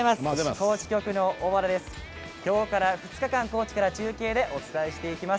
高知局の小原です。